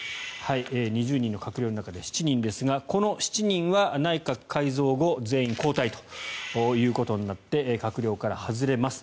２０人の閣僚の中で７人ですがこの７人は内閣改造後全員、交代ということになって閣僚から外れます。